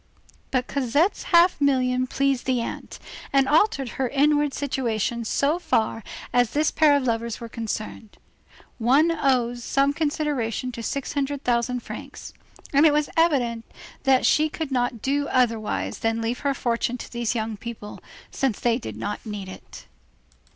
But Cosette's half million pleased the aunt, and altered her inward situation so far as this pair of lovers were concerned. One owes some consideration to six hundred thousand francs, and it was evident that she could not do otherwise than leave her fortune to these young people, since they did not need it.